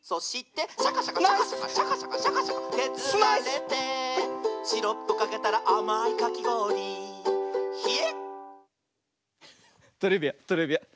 「シャカシャカシャカシャカシャカシャカシャカシャカけずられて」「シロップかけたらあまいかきごおりヒエっ！」トレビアントレビアン。